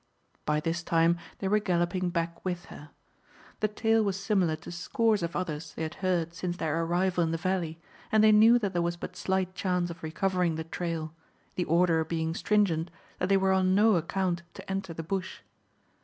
By this time they were galloping back with her. The tale was similar to scores of others they had heard since their arrival in the valley, and they knew that there was but slight chance of recovering the trail, the order being stringent that they were on no account to enter the bush.